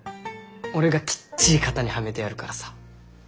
俺がきっちり型にはめてやるからさ。